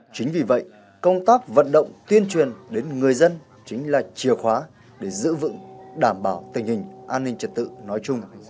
chính vì vậy công tác vận động tuyên truyền đến người dân chính là chìa khóa để giữ vững đảm bảo tình hình an ninh trật tự nói chung